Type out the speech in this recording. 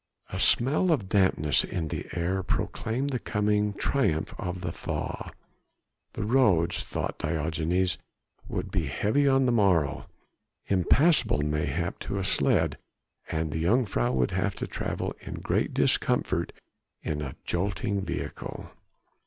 A smell of dampness in the air proclaimed the coming triumph of the thaw. The roads, thought Diogenes, would be heavy on the morrow, impassable mayhap to a sledge, and the jongejuffrouw would have to travel in great discomfort in a jolting vehicle.